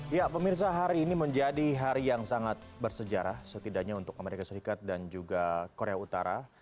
ya pemirsa hari ini menjadi hari yang sangat bersejarah setidaknya untuk amerika serikat dan juga korea utara